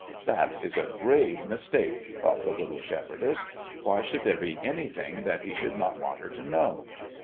"That is a grave mistake," thought the little shepherdess. "Why should there be anything that he should not want her to know?